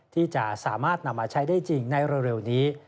ที่จะสามารถนำมาใช้ได้จริงในเร็วนี้